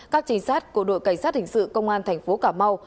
các trinh sát của đội cảnh sát hình sự công an thành phố cà mau